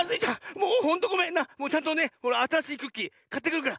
もうちゃんとねあたらしいクッキーかってくるから。